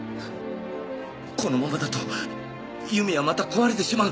このままだと由美はまた壊れてしまう。